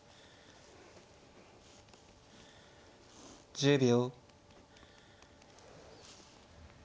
１０秒。